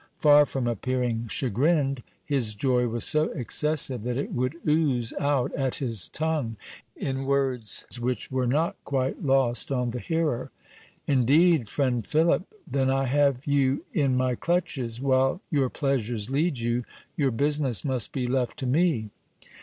Far from appearing chagrined, his joy was so excessive, that it would ooze out at his tongue, in words which were not quite lost on the hearer. "Indeed, friend Philip ! then I have you in my clutches : while your pleasures lead you, your business must be left to me!"